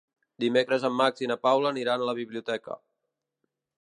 Dimecres en Max i na Paula aniran a la biblioteca.